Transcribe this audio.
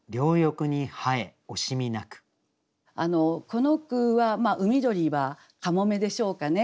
この句は「海鳥」はかもめでしょうかね。